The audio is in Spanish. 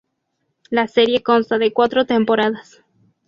La serie consta de cuatro temporadas.